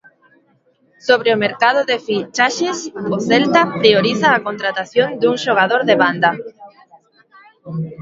Sobre o mercado de fichaxes, o Celta prioriza a contratación dun xogador de banda.